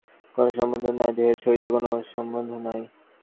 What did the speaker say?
পাশব ভাবের সহিত বিদেহ আত্মার কোন সম্বন্ধ নাই, দেহের সহিত কোন সম্বন্ধ নাই।